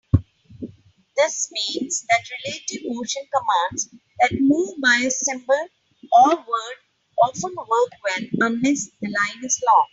This means that relative motion commands that move by a symbol or word often work well unless the line is long.